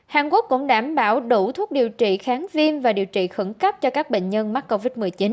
hàn quốc cũng đảm bảo đủ thuốc điều trị kháng viêm và điều trị khẩn cấp cho các bệnh nhân mắc covid một mươi chín